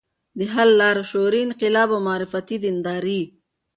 د حل لار: شعوري انقلاب او معرفتي دینداري